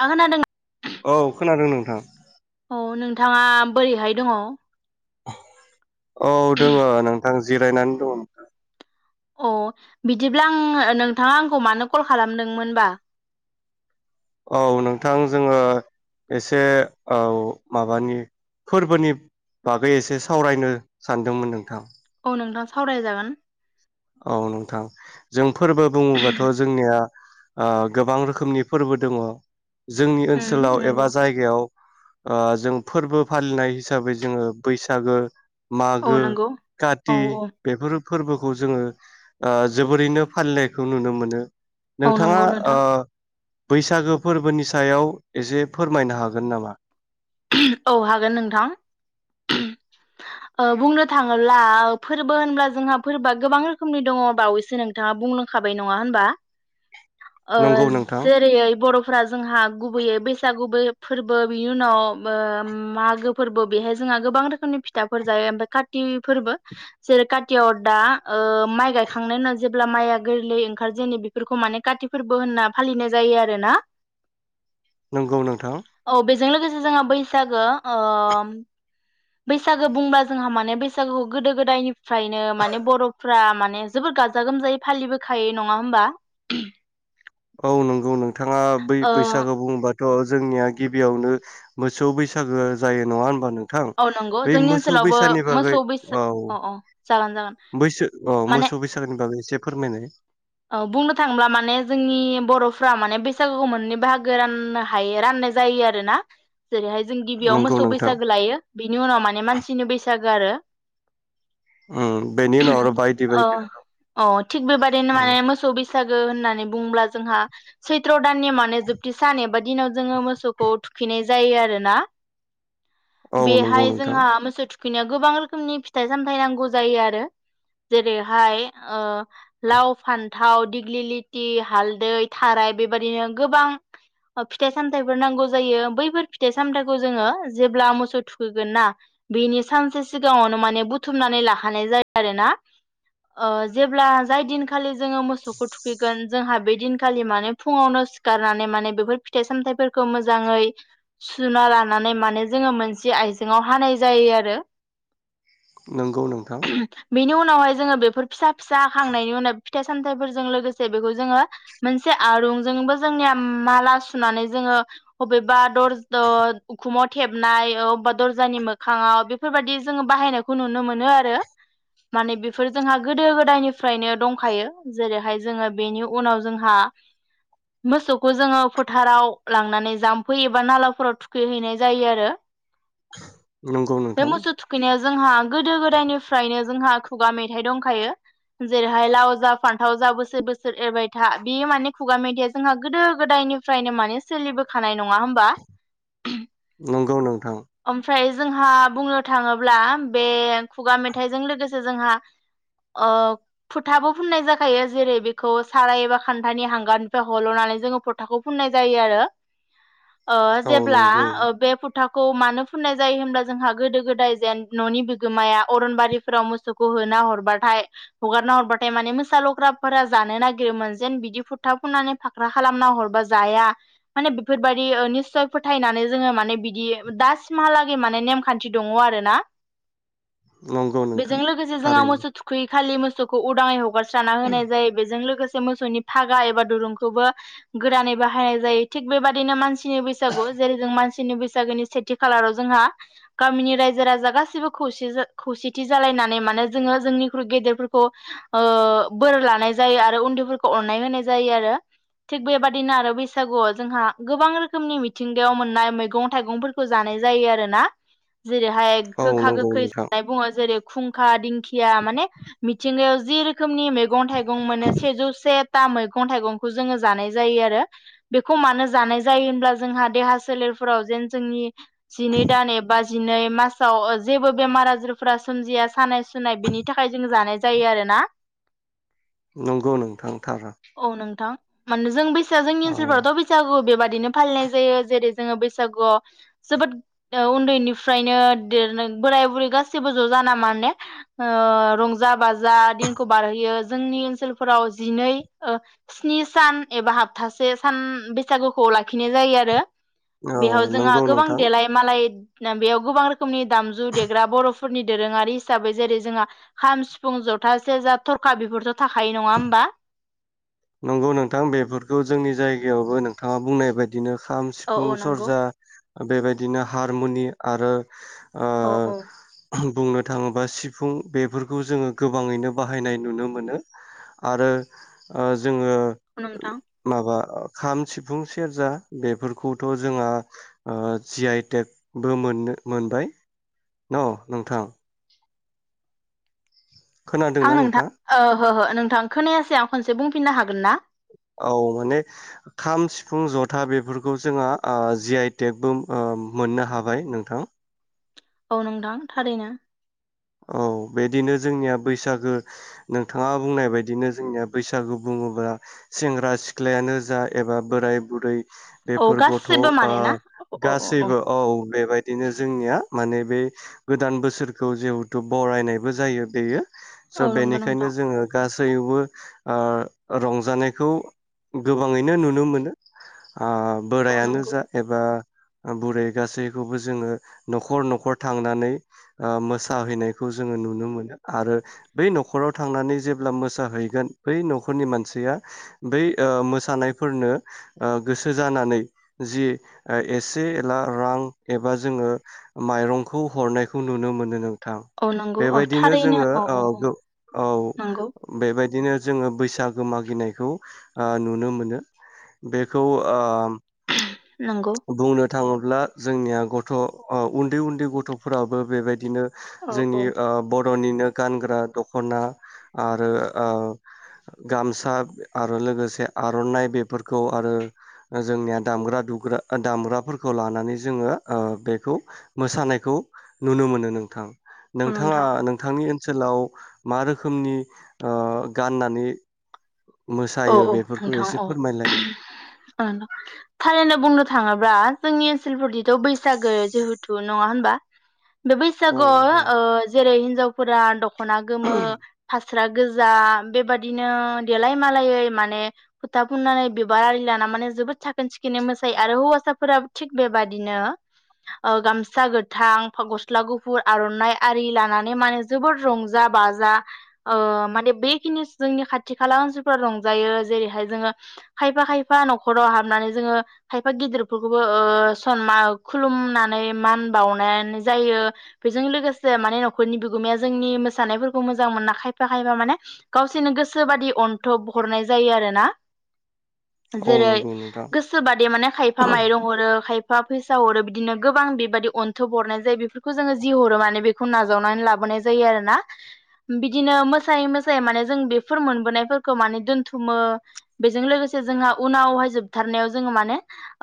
थां खोनादों औ खोनादों औ औ नोंथाङा बोरैहाय दङ औ दोङो नोंथां जिरायनानै दङ नोंथां अ बिदिब्ला आं नोंथाङा आंखौ मानो कल खालामदोंमोन बा औ नोंथां जोङो एसे औ माबानि फोरबोनि बागै एसे सावरायनो सानदोंमोन नोंथां औ नोंथां सावराय जागोन औ नोंथां जों फोरबो बुङोबाथ' जोंनिया ओ गोबां रोखोमनि फोरबो दङ जोंनि उम ओनसोलाव एबा नंगौ जायगायाव ओ जों फोरबो फालिनाय हिसाबै जोङो बैसागो औ मागो नंगौ औ काति औ बेफोर फोरबोफोर जोङो ओ जोबोरैनो फालिनायखौ नुनो मोनो औ नोंथाङा नंगौ ओ नोंथां बैसागो फोरबोनि सायाव एसे फोरमायनो हागोन नामा औ हागोन नोंथां ओ बुंनो थाङोब्ला फोरबो होनब्ला जोंहा फोरबोआ गोबां रोखोमनि दङ बावैसो नोंथाङा बुंलांखाबाय नङा होनबा ओ नंगौ नोंथां जेरेयै बरफ फ्रा जोंहा गुबैयै बैसागु बो फोरबो बिनि उनाव बो‌ ओम मागो फोरबो बेहाय जोंहा गोबां रोखोमनि फिथाफोर जायो ओमफ्राय काति फोरबो जेरै कातियाव दा ओ माइ गायखांनायनि उनाव जेब्ला माइया गोरलै ओंखार जेनो बेफोरखौ माने काति फोरबो होनना फालिनाय जायो आरोना नंगौ नोंथां जों लोगोसे जोंहा बैसागो ओ बैसागो बुंब्ला जोंहा माने बैसागुखौ गोदो गोदायनि फ्रायनो माने बर'फ्रा मान माने जोबोर गाजा गोमजायै फालिबोखायो नङा होमबा औ नंगौ नों नोंथाङा बै ओ बैसागु बुङोबा थ' जोंनिया गिबियावनो मोसौ बैसागो जायो नङा होन नोंथां थां औ नंगौ बै जोंनि मोसौ ओनसोलावबो बैसानि बागै मोसौ बैसा औ अ अ जागोन जागोन बैसो औ मोसौ बैसागु बागै एसे फोरमायनाय औ बुंनो थाङोब्ला माने जोंनि बर'फ्रा माने बैसागुखौ मोननै बाहागो राननो हायो राननाय जायो आरोना जेरैहाय जों गिबियाव नंगौ मोसौ नोंथां बैसागो लायो बिनि उनाव माने मानसिनि बैसागो आरो उम बेनि उनाव आरो बायदि औ बायदि औ थिग रोखोम बेबादिनो माने मोसौ बिस बैसागो होननानै बुंब्ला जोंहा सैथ्र दाननि माने जोबथि सान एबा दिनाव जोङो मोसौखौ थुखैनाय जायो आरो ना औ नंगौ बेहाय नोंथां जोंहा मोसौ थुखैनाया गोबां रोखोमनि फिथाइ सामथायाइ नांगौ जायो आरो जेरैहाय ओ लाव फान्थाव दिग्लिलिथि हालदै थाराय बेबाददिनो गोबां फिथाइ सामथाइफोर नांगौ जायो बैफोर फिथाइ सामथाइखौ जोङो जेब्ला मोसौ थुखैगोन ना बेनि सानसे सिगाङावनो माने बुथुमनानै लाखानाय जायो आरोना जेब्ला जाय दिनखालि जोङो मोसौखौ थुखैगोन जोंहा बे दिनखालि माने फुङावनो सिखारनानै माने बेफोर फिथाइ सामथाइफोरखौ मोजाङै सुना लानानै माने जोङो मोनसे आइजेंआव हानाय जायो आरो नंगौ नोंथां बिनि उनावहाय जोङो बेफोर फिसा फिसा खांनायनि उनाव फिथाइ सामथाइफोरजों लोगोसे बेखौ जोङो मोनसे आरुंजोंबो जोंनिया माला सुनानै जोङो बबेबा दरज उखुमाव थेबनाय अबेबा दरजानि मोखाङाव बेफोरबायदि जोङो बाहायनायखौ नुनो मोनो आरो माने बेफोर जोंहा गोदो गोदायनो फ्रायनो दंखायो जेरैहाय जोङो बेनि उनाव जोंहा मोसौखौ जोङो फोथाराव लांनानै जाम्फै एबा नालाफोराव थुखैहैनाय जायो आरो नंगौ बे नोंथां मोसौ थुखैनाया जोंहा गोदो गोदायनिफ्रायनो जोंहा खुगा मेथाइ दंखायो जेरैहाय लाव जा फान्थाव जा बोसोर बोसोर एरबाय था बि माने खुगा मेथाइया जोंहा गोदो गोदायनिफ्रायनो माने सोलिबोखानाय नङा होमबा नंगौ नोंथां ओमफ्राय ओमफ्राय जोंहा बुंनो थाङोब्ला बे खुगा मेथाइजों लोगोसे जोंहा अ फोथाबो फुननाय जाखायो जेरै बेखौ साराय एबा खान्थानि हांगारनिफ्राय हल'नानै जोङो फोथाखौ फुननाय जायो आरो ओ औ जेब्ला नंगौ ओ बे फोथ खोथाखौ मानो फुननाय जायो होनब्ला जोंहा गोदो गोदाय जेन न'नि बिगोमाया अरनबारिफोराव मोसौखौ होना हरबाथाय हगारना हरबाथाय माने मोसा लग्राफोरा जानो नागिरोमोन जेन बिदि फुरथा फुननानै फाख्रा खालामना हरबा जाया माने बेफोरबायाददि निस्सय फोथायनानै जोङो माने बिदि दासिमहालागै माने नेमखान्थि दङ आरो ना नंगौ बेजों नोंथां लोगोसे जोंहा थारैनो मोसौ थुखैयै खालि मोस सोखौ उदांयै हगारसार साना होनाय जायो बेजों लोगोसे मोसौनि फागा एबा दुरुंखौबो गोरानै बाहायनाय जायो थिग बेबायदिनो मानसि बैसागु जेरै जों मान नि बैसागोनि सेथि खालाराव जोंहा गामिनि रायजो राजा गासिबो खौ खौसेथि जालायनानै माने जोङो जोंनिख्रुइ गेदेर खौ ओ बोर लानाय जायो आरो उन्दैफोरखौ अननाय होनाय जायो आरो थिग बेबादिनो आरो बैसागुआव जोंहा गोबां रोखोमनि मिथिंगायाव मोननाय मैगं थाइगंफोरखौ जानाय जायो आरो ना जेरैहाय औ गोखा नंगौ गोखै नोंथां जानाय बुङो जेरै खुंखा दिंखिया माने मिथिंगायाव जि रोखोम नि मैगं थाइगं मोनो सेजौसे था मैगं थाइगंखौ जोङो जानाय जायो आरो बेखौ मानो जानाय जायो होनब्ला जोंहा देहा सोलेरफोराव जेन जोंनि जिनै डान एबा दिनै मासाव ओ जेबो बेमार आजारफोरा सोमजिया सानाय सुनाय बिनि थाखाय जों जानाय जायो जायो आरोना नंगौ नोंथां थार औ नोंथां मानो जों बै जोंनि औ ओनसफ्रावथ' बैसागु बेबायद नो फालिनाय जायो जेरै जोङो बैसागुआव जोबोद ओ उन्दैनिफ्रायनो बोराय बुरै गासिबो ज' जाना माने ओ रंज जा बाज जा दिनखौ बारहोयो जोंनि ओनसोलफोराव जिनै ओ स्नि सान एबा हाबथासे सान बैसागुखौ लाखिनाय जायो आरो औ बेयाव जोंहा नंगौ गोबां नोंथां देलाय मालाय ना बेयाव गोबां रो खोमनि दामजु देग्रा बर' फोरनि दोरोङारि हिसाबै जेरै जोंहा खाम सिफुं जथा सेजा थरखा बेफोरथ' थाखायो नङा होमबा नंगौ नोंथां बेफोरखौ जोंनि जायगायावबो नोंथाङा बुंनाय बायदिनो खाम औ सिफुं औ नंगौ सरजा बेबायदिनो हारमुनि आरो ओ अ औ बुंनो थाङोबा सिफुं बेफोरखौ जोङो गोबाङैनो बाहायनाय नुनो मोनो आरो आ जोङो नोंथां माबा खाम सिफुं सेरजा बेफोरखौथ' जोंहा ओ जि आइ टेकबो मोननो मोनबाय न नोंथां आं खोनादोंना नोंथां नोंथाङा ओहो नोंथां खोनायासै आं खनसे बुंफिननो हागोन ना औ माने खाम सिफुं जथा बेफोरखौ जोंहा आ जि आइ टेकबो आ मोननो हाबाय नोंथां औ नोंथां थारैनो औ बिदिनो जोंनिया बैसागो नोंथाङा बुंनाय बायदिनो जोंनिया बैसागु बुङोब्ला सेंग्रा सिख्लायानो जा एबा बोराय बुरै औ बेफोर गथ' ओ गासिबो माने ना औ औ गासैबो औ बेबायदिनो जोंनिया माने बे गोदान बोसोरखौ जि थु बरायनायबो जायो बेयो स' औ नंगौ बेनिखायनो नोंथां जोङो गासै गासैयावबो ओ रंजानायखौ गोबाङैनो नुनो मोनो आ औ बोरायानो नंगौ जा एबा बुरै गासैखौबो जोङो न'खर न'खर थांनानै ओ मोस मोसाहैनायखौ जोङो नुनो मोनो आरो बै न'खराव थांनानै जेब्ला मोसाहैगोन बै न'खरनि मानसिया बै ओ मोसानायफोरनो ओ गोसो जानानै जि एसे एला रां एबा जोङो माइरंखौ हरनायखौ नुनो मोनो नों थां औ नंगौ औ बेबायदिनो थारैनो जोङो औ औ नंगौ बेबायदिनो जोङो बैसागो मागिनायखौ ओ नुनो मोनो बेखौ ओ नंगौ बुंनो थाङोब्ला जोंनिया गथ' उन्दै उन्दै गथ'फोराबो बेबायदिनो औ जोंनि ओ बर' र'निनो गानग्रा दख'ना आरो ओ गामसा आरो लोगोसे आर'नाइ बेफोरखौ आरो जोंनिया दामग्रा दुग्रा दामग्राफोरखौ लानानै जोङो ओ बेखौ मोसानायखौ नुनो मोनो नोंथां औ नोंथाङा नोंथां नोंथांनि ओनसोलाव मा रोखोमनि ओ गाननानै औ मोसायो औ बेफोरखौ नोंथां एसे औ फोरमायलाय थारैनो बुंनो थाङोब्ला जोंनि ओनसोलफोरनिथ' बैसागो जिहेथु नङा होनबा बे औ बैसागुआव नंगौ ओ जेरै हिनजावफोरा द खना गोमो फास्रा स्रा गोजा बेबादिनो देलाय मालायै माने फोथा फुननानै बिबार आरि लाना माने जोबोद साखोन सिखोनै मोसायो आरो हौवासाफोराबो थिग बेबादिनो ओ गामसा गोथां गस्ला गुफुर आर'नाइ आरि लानानै माने जोबोद रंजा बाजा ओ माने बेखिनिस जोंनि खाथि खाला ओनसोल फोराव रंजायो जेरैहाय जोङो खायफा खायफा न'खराव हाबनानै जोङो खायफा गिदिरफोरखौबो ओ सनमान खुलुमनानै मान बावनानै जायो बेजों लोगोसे माने न'खरनि बिगोमाया जोंनि मोसानायफोरखौ मोजां मोनना खायफा खायफा माने गावसोरनो गोसो बादि अन थोब हरनाय जायो आरोना औ जेरै नंगौ नोंथां गोसोबादि माने खायफा माइरं हरो खाय बिफा फैसा हरो बिदिनो गोबां बेबायदि अन्थोब हरनाय जायो बेफोरखौ जोङो जि हरो माने बेखौ नाजावनानै लाबोनाय जायो आरोना बिदिनो मोसायै मोसायै माने जों बेफोर मोनबोनायफोर खौ माने दोन्थुमो बेजों लोगोसे जोंहा उनावहाय जोबथारनायाव जोङो माने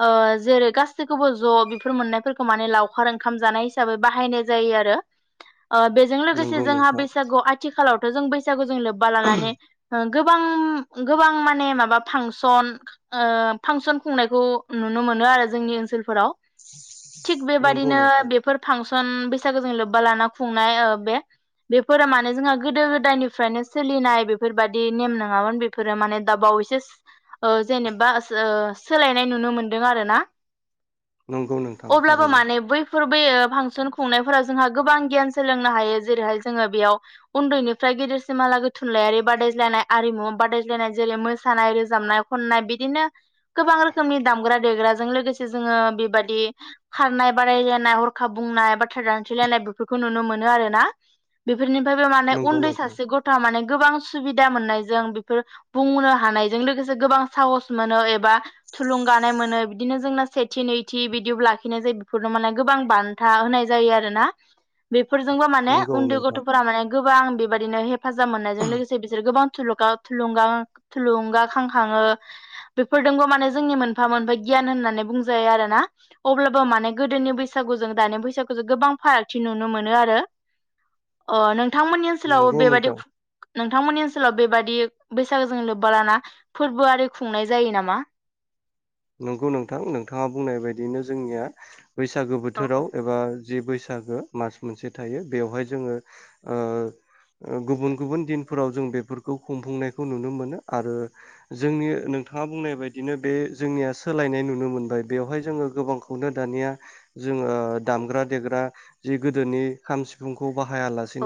ओ जेरै गासैखौबो ज' बेफोर मोननायफोरखौ माने लावखार ओंखाम जानाय हिसाबै बाहायनाय जायो आरो ओ बेजों लोगोसे नंगौ जोंहा नोंथां बैसागुआव आथिखालाव जों बैसागु जों लोब बा लानानै गोबां गोबां माने माबा फांसन ओ फांसन खुंनायखौ नुनो मोनो आरो जोंनि ओनसोलफोराव थिग नंगौ बेबादिनो नोंथां बेफोर फांसन बेसे सागोजों लोब्बा लाना खुंनाय ओ बे बेफोर माने जोंहा गोदो गोदायनिफ्रायनो सोलिनाय बेफोरबायदि बिदि नेम नङामोन बेफोरो माने दा बावैसो ओ जेनेबा ओ सोलायनाय नुनो मोनदों आरोना नंगौ नोंथां थारैनो फोर बे फांसन खुंनायफोराव जोंहा गोबां गियान सोलोंनो हायो जेरैहाय जोङो बेयाव उन्दैनिफ्राय गेदेरसिमालागै थुनलाइयारि बादाय लायनाय आरिमु बादाज्लायनाय जेरै मोसानाय रोजाबनाय खननाय बिदिनो गोबां रोखोमनि दामग्रा देग्राजों लोगोसे जोङो बेबायदि खारनाय बादायलायनाय हरखाब बुंनाय बाथ्रा दानसथेलायनाय बेफोरखौ नुनो मोनो आरोना बे बेफोरनिफ्रायबो माने नंगौ उन्दै नोंथां सासे गथ'आ माने गोबां सुबिदा मोननायजों बेफोर बुंनो हानायजों लोगोसे गोबां साहस मोनो एबा थुलुंगानाय मोनो बिदिनो जोंना सेथि नैथि बिदिअ लाखिनाय जायो बेफोरनो माने गोबां बान्था होनाय जायो आरोना बे बेफोरजोंबो माने नंगौ उन्दै नोंथां गथ'फोरा माने गोबां बेबायदिनो हेफाजाब मोननायजों लोगोसे बिसोर गोबां थुलुंगाखांखाङो बेफोरजोंबो माने जोंनि मोनफा मोनफा गियान होननानै बुंजायो आरोना अब्लाबो माने गोदोनि बैसागु ज दानि बैसागुजों गोबां फारागथि नुनो मोनो आरो नों बिथांमोननि ओनसोलाव नंगौ बेबायदि नोंथां नोंथांमोननि ओनसोलाव बेबादि बैसागोजों लोब्बा लाना फोरबोआरि खुंनाय जायो नामा नंगौ नोंथां नोंथाङा बुंनाय बायदिनो जोंनिया बैसागो बोथोराव एबा जि बैसागो मास मोनसे थायो बेवहाय जोङो गुबुन गुबुन दिनफोराव जों बेफोरखौ खुंफुंनायखौ नुनो मोनो आरो जोंनि नोंथाङा बुंनाय बायदिनो बे जोंनिया सोलायनाय नुनो मोनबाय बेवहाय जोङो गोबांखौनो दानिया जोङो दामग्रा देग्रा जि गोदोनि खाम सिफुंखौ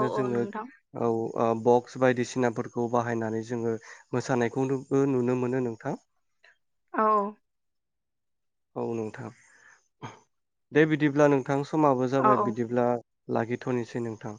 औ औ जोङो नोंथां औ बक्स बायदिसिनाफोरखौ बाहायनानै जोङो मोसानायखौनोबो नुनो मोनो नोंथां औ औ नोंथां दे बिदिब्ला नोंथां नोंथां समाबो औ जाबाय औ बिदिब्ला लाखिथ'नोसै नोंथां